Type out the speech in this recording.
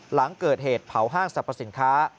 หลังเกิดเหตุเผาห้างสรรพสินค้า